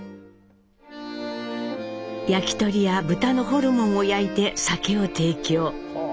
焼き鳥や豚のホルモンを焼いて酒を提供。